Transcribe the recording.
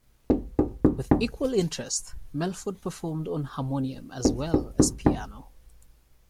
With Equal Interest, Melford performed on harmonium as well as piano.